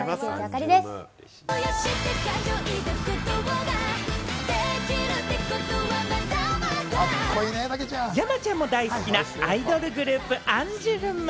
さあ、それでは山ちゃんも大好きなアイドルグループ・アンジュルム。